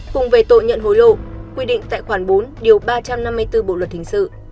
cùng về tội nhận hối lộ quy định tại khoản bốn điều ba trăm năm mươi bốn bộ luật hình sự